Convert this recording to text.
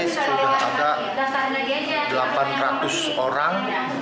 sudah ada delapan ratus orang